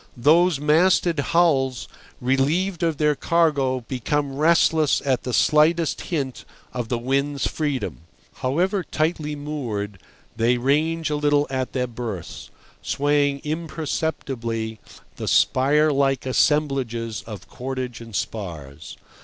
Those masted hulls, relieved of their cargo, become restless at the slightest hint of the wind's freedom. However tightly moored, they range a little at their berths, swaying imperceptibly the spire like assemblages of cordage and spars.